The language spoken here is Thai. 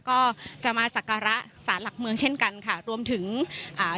ก็จะมาสักการะสารหลักเมืองเช่นกันค่ะรวมถึงอ่า